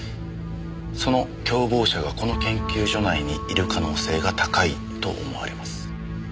その共謀者がこの研究所内にいる可能性が高いと思われます。